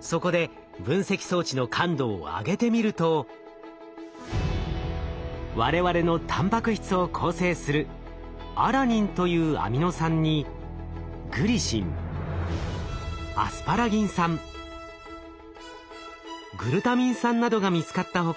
そこで分析装置の感度を上げてみると我々のたんぱく質を構成するアラニンというアミノ酸にグリシンアスパラギン酸グルタミン酸などが見つかった他